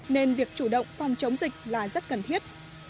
nên việc chủ động phòng chống dịch là rất cần thiết